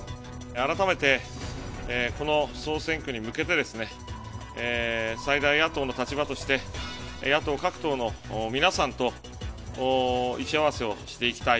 改めてこの総選挙に向けて、最大野党の立場として、野党各党の皆さんと意思合わせをしていきたい。